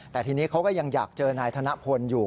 แต่ทีนี้เขาก็ยังอยากเจอนายธนพลอยู่